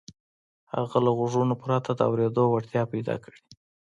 هغه له غوږونو پرته د اورېدو وړتيا پيدا کړي.